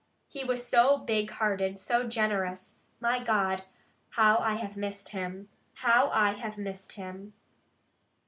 He was so big hearted, so generous! My God, how I have missed him! How I have missed him!"